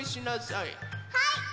はい！